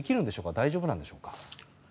大丈夫なのでしょうか。